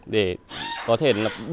để có thể